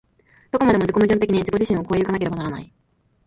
どこまでも自己矛盾的に自己自身を越え行かなければならない。